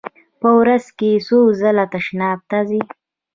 په ورځ کې څو ځله تشناب ته ځئ؟